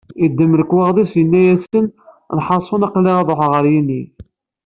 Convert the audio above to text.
Yeddem lekwaɣeḍ-is yenna-asen: “Lḥaṣul, aql-i ad ruḥeɣ ɣer yinig”.